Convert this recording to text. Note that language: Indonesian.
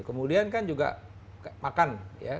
kemudian kan juga makan ya